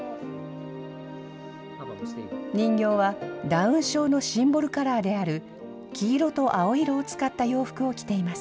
人形はダウン症のシンボルカラーである黄色と青色を使った洋服を着ています。